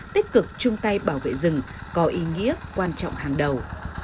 tích cực chung tay bảo vệ rừng có ý nghĩa quan trọng hàng đầu